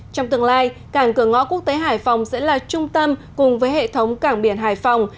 trong tương lai cảng cửa ngõ quốc tế hải phòng sẽ là trung tâm cùng với hệ thống cảng biển hải phòng